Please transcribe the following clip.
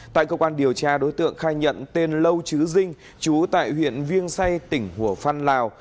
tại cơ quan điều tra đối tượng khai nhận tên lâu chứ dinh chú tại huyện viêng say tỉnh hủa phăn lào